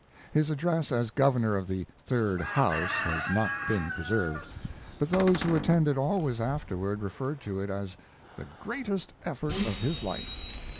His address as Governor of the Third House has not been preserved, but those who attended always afterward referred to it as the "greatest effort of his life."